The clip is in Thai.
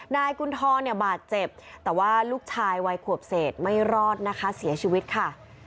นายกุณฑรเนี่ยบาดเจ็บแต่ว่าลูกชายวัยขวบเศษไม่รอดนะคะเสียชีวิตค่ะ